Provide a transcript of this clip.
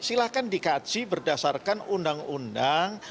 silahkan dikaji berdasarkan undang undang